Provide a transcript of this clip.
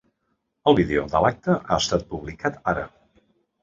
El vídeo de l’acte ha estat publicat ara.